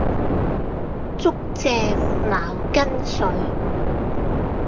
竹蔗茅根水